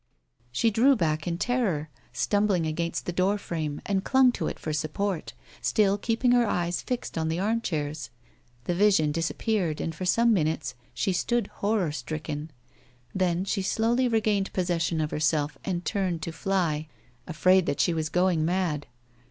She drew back in terror, stumbled against the door frame, and clung to it for support, still keeping her eyes fixed on the armchairs. The vision disappeared and for some minutes she stood horror stricken ; then she slowly regained possession of herself and turned to fly, afraid that she was lioing mad.